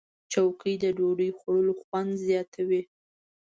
چوکۍ د ډوډۍ خوړلو خوند زیاتوي.